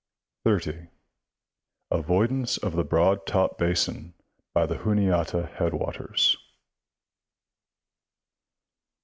30. Avoidance of the Broad Top basin by the Juniata head waters.